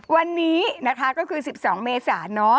วันนี้นะคะก็คือ๑๒เมษา